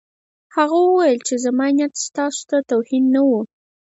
هغه وویل چې زما نیت تاسو ته توهین نه و